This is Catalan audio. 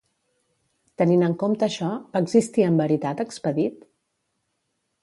Tenint en compte això, va existir en veritat Expedit?